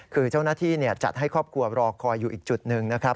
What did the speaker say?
คือเจ้าหน้าที่จัดให้ครอบครัวรอคอยอยู่อีกจุดหนึ่งนะครับ